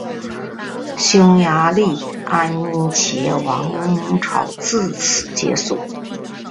匈牙利安茄王朝自此结束。